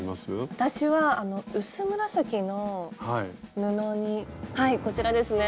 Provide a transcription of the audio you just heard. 私は薄紫の布にはいこちらですね。